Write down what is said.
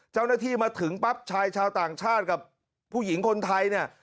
เจ้าหน้าที่มาถึงปั๊บชายชาวต่างชาติกับผู้หญิงคนไทยเนี่ย